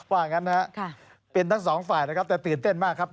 ว่าอย่างนั้นนะครับเป็นทั้งสองฝ่ายนะครับแต่ตื่นเต้นมากครับ